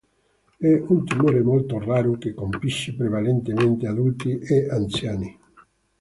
È un tumore molto raro che colpisce prevalentemente adulti e anziani.